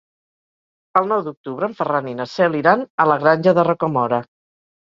El nou d'octubre en Ferran i na Cel iran a la Granja de Rocamora.